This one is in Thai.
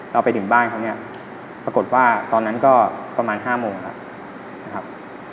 ไปถึงบ้านเขาเนี่ยปรากฏว่าตอนนั้นก็ประมาณ๕โมงแล้วนะครับ